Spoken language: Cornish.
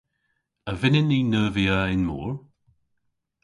A vynnyn ni neuvya y'n mor?